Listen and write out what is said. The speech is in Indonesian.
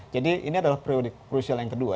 jadi ini adalah prosedur yang kedua